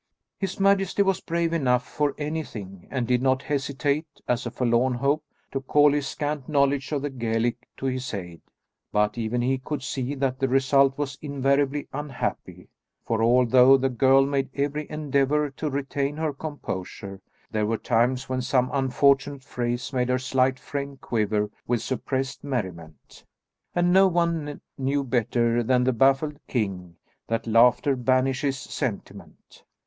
His majesty was brave enough for anything and did not hesitate, as a forlorn hope, to call his scant knowledge of the Gaelic to his aid, but even he could see that the result was invariably unhappy, for although the girl made every endeavour to retain her composure, there were times when some unfortunate phrase made her slight frame quiver with suppressed merriment, and no one knew better than the baffled king, that laughter banishes sentiment.